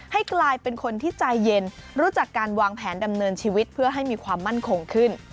ให้กลายเป็นคนที่ใจเย็นรู้จักการวางแผนดำเนินชีวิตเพื่อให้มีความมั่นคงขึ้น